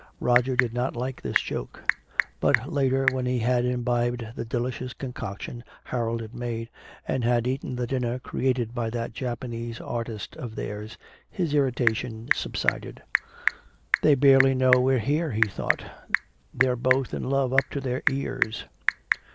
Roger did not like this joke. But later, when he had imbibed the delicious concoction Harold had made, and had eaten the dinner created by that Japanese artist of theirs, his irritation subsided. "They barely know we're here," he thought. "They're both in love up to their ears."